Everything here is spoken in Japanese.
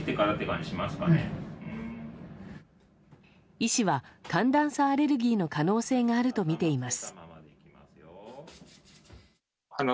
医師は寒暖差アレルギーの可能性があるとみています。